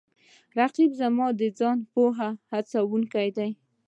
رقیب زما د ځان پوهې هڅوونکی دی